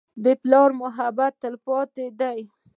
د پلار محبت تلپاتې دی.